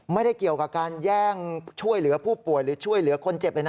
ไม่ได้เกี่ยวกับการแย่งช่วยเหลือผู้ป่วยหรือช่วยเหลือคนเจ็บเลยนะ